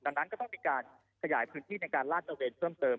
ดังนั้นก็ต้องมีการขยายพื้นที่ในการลาดตระเวนเพิ่มเติม